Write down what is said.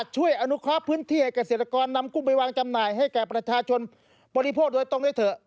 ช่วยอนุเคราะห์พื้นที่ให้เกษตรกรนำกุ้งไปวางจำหน่ายให้แก่ประชาชนบริโภคโดยตรงได้เถอะ